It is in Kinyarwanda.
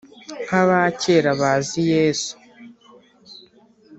nk’aba kera bazi yezu